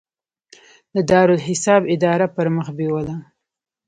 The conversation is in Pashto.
د دارالاحساب اداره پرمخ بیوله.